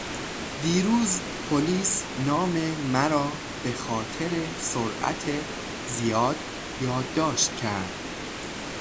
دیروز پلیس نام مرا به خاطر سرعت زیاد یادداشت کرد.